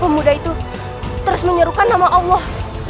pemuda itu terus menyerukan nama allah